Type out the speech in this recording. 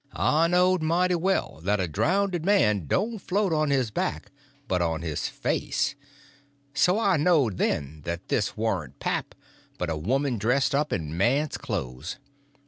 I knowed mighty well that a drownded man don't float on his back, but on his face. So I knowed, then, that this warn't pap, but a woman dressed up in a man's clothes.